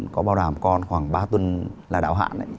có bảo đảm còn khoảng ba tuần là đáo hạn